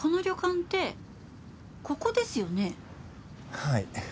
はい。